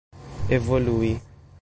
evolui